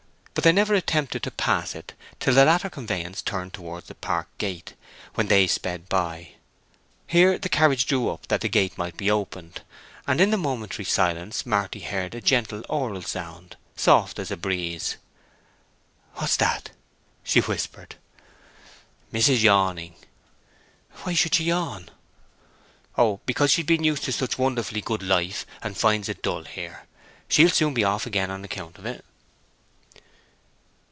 But they never attempted to pass it till the latter conveyance turned towards the park gate, when they sped by. Here the carriage drew up that the gate might be opened, and in the momentary silence Marty heard a gentle oral sound, soft as a breeze. "What's that?" she whispered. "Mis'ess yawning." "Why should she yawn?" "Oh, because she's been used to such wonderfully good life, and finds it dull here. She'll soon be off again on account of it."